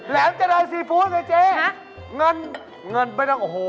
แหลมเจริญซีฟู้ดไงเจ๊เหรองั้นไม่ต้องโอ้โฮ